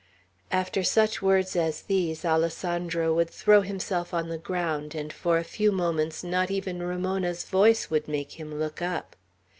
After such words as these, Alessandro would throw himself on the ground, and for a few moments not even Ramona's voice would make him look up.